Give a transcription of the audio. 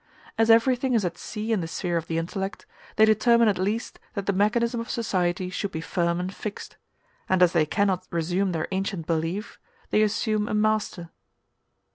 As everything is at sea in the sphere of the intellect, they determine at least that the mechanism of society should be firm and fixed; and as they cannot resume their ancient belief, they assume a master.